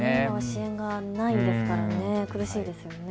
支援がないですから苦しいですよね。